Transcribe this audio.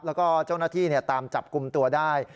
แล้วก็เจ้าหน้าที่ตามจับกลุ่มตัวได้